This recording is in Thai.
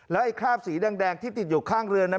ไอ้คราบสีแดงที่ติดอยู่ข้างเรือนั้น